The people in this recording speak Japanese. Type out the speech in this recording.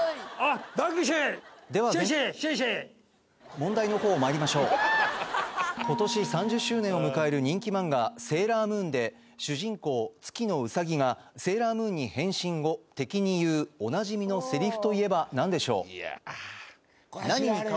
問題のほうまいりましょう今年３０周年を迎える人気マンガ「セーラームーン」で主人公月野うさぎがセーラームーンに変身後敵に言うおなじみのセリフといえば何でしょう？